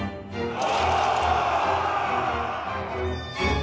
お！